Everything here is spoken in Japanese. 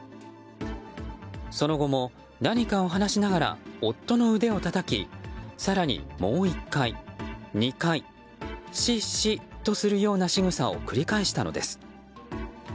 その後も何かを話しながら夫の腕をたたき更にもう１回、２回シッシッとするようなしぐさを繰り返したのです。